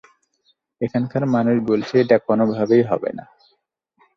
এখানকার মানুষ বলছে এটা কোনভাবেই হবে না।